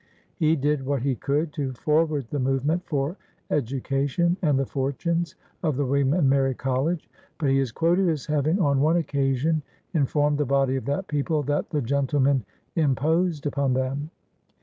He did what he could to forward the movement for education and the fortunes of the William and Mary Collie. But he is quoted as having on one oc casion informed the body of the people that ^^the gentlemen imposed upon them."